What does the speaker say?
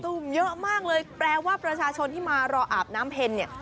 ุ่มเยอะมากเลยแปลว่าประชาชนที่มารออาบน้ำเพ็ญเนี่ย